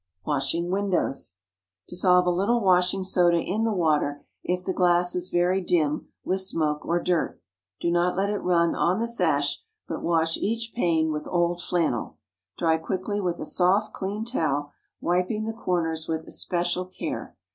WASHING WINDOWS. Dissolve a little washing soda in the water if the glass is very dim with smoke or dirt. Do not let it run on the sash, but wash each pane with old flannel; dry quickly with a soft, clean towel, wiping the corners with especial care.